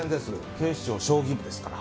警視庁将棋部ですから。